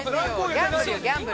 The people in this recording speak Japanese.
◆ギャンブルよ、ギャンブル。